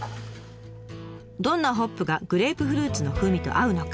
どんなホップがグレープフルーツの風味と合うのか。